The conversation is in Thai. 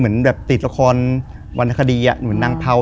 คือก่อนอื่นพี่แจ็คผมได้ตั้งชื่อเอาไว้ชื่อว่าย่าเผา